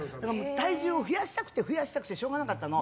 体重を増やしたくて増やしたくてしょうがなかったの。